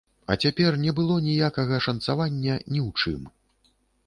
А цяпер не было ніякага шанцавання, ні ў чым!